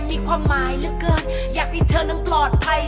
มีความหมายเหลือเกินอยากให้เธอนั้นปลอดภัย